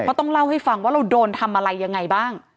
ต้องเล่าให้ฟังว่าเราโดนทำอะไรยังไงบ้าง